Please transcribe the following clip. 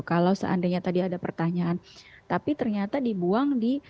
kalau seandainya tadi ada pertanyaan tapi ternyata dibuang di